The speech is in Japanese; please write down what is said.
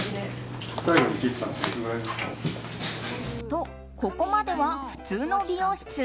と、ここまでは普通の美容室。